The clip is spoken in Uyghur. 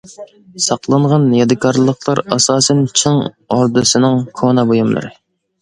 ساقلانغان يادىكارلىقلار ئاساسەن چىڭ ئوردىسىنىڭ كونا بۇيۇملىرى.